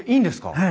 はい。